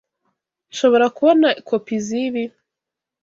Nshobora kubona kopi zibi?